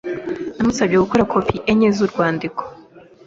Namusabye gukora kopi enye z'urwandiko.